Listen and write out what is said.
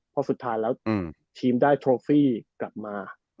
เพราะสุดท้ายแล้วทีมได้โทรฟี่กลับมา